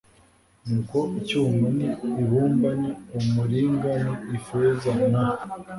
Nuko icyuma n ibumba n umuringa n ifeza na